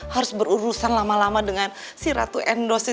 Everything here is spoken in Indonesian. ya emak masa gak dijin sih